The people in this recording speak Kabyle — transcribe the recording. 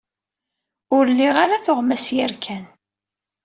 Ur liɣ ara tuɣmas yerkan.